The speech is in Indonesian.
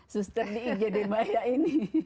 suster di igd maya ini